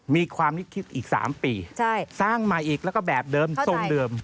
มีความคิดอีก๓ปีสร้างมาอีกแล้วก็แบบเดิมทรงเดิม